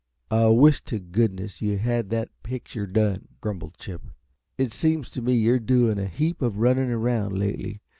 "I wish to goodness you had that picture done," grumbled Chip. "It seems to me you're doing a heap of running around, lately.